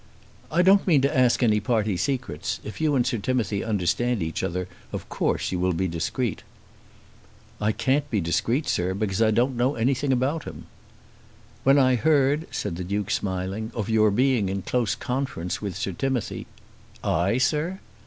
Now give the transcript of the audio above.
"I don't mean to ask any party secrets. If you and Sir Timothy understand each other, of course you will be discreet." "I can't be discreet, sir, because I don't know anything about him." "When I heard," said the Duke smiling, "of your being in close conference with Sir Timothy " "I, sir?"